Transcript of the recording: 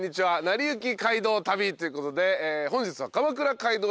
『なりゆき街道旅』ということで本日は。